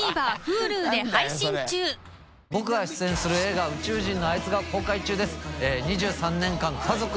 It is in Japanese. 僕が出演する映画「宇宙人のあいつ」が公開中です。